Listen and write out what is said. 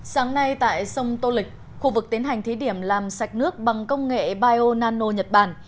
sáng nay tại sông tô lịch khu vực tiến hành thí điểm làm sạch nước bằng công nghệ bionano nhật bản